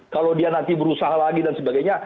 kalau dia nanti berusaha lagi dan sebagainya